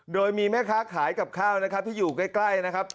โดยมีแม่ค้าขายกับข้าวนะครับที่อยู่ใกล้นะครับ